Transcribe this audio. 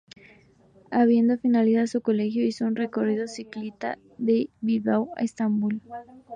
Habiendo finalizado su colegio hizo un recorrido ciclista de Bilbao a Estambul.